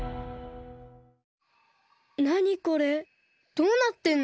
どうなってんの？